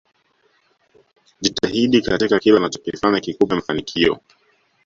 Jitahidi katika kila unachokifanya kikupe mafanikio